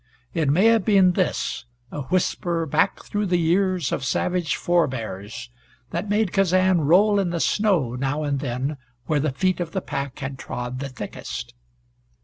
It may have been this, a whisper back through the years of savage forebears, that made Kazan roll in the snow now and then where the feet of the pack had trod the thickest.